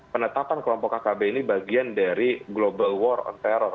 penetapan kelompok kkb ini bagian dari global war on terror